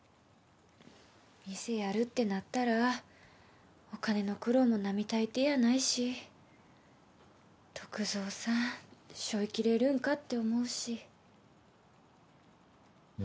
店やるってなったらお金の苦労も並大抵やないし篤蔵さんしょいきれるんかって思うしま